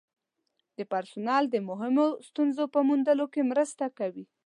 د پرسونل د مهمو ستونزو په موندلو کې مرسته کوي.